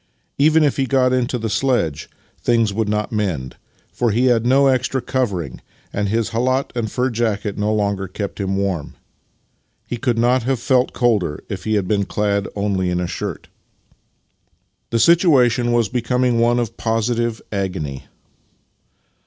Even if he got into the sledge, things would not mend, for he had no extra covering, and his kJialat and fur jacket no longer kept him warm. He could not have felt colder if he had been clad only in a shirt. The situation was becoming one of positive agony.